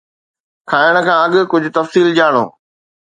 کائڻ کان اڳ ڪجھ تفصيل ڄاڻو